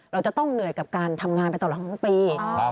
เราจะต้องเหนื่อยกับการทำงานไปตลอดทั้งปี